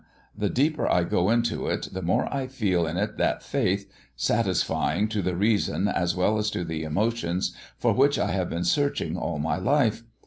'The deeper I go into it all the more I feel in it that faith, satisfying to the reason as well as to the emotions, for which I have been searching all my life.